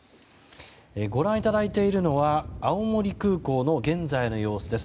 ご覧いただいているのは青森空港の現在の様子です。